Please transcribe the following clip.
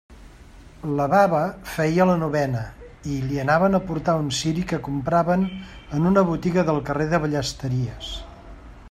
La baba feia la novena i li anàvem a portar un ciri que compràvem en una botiga del carrer de Ballesteries.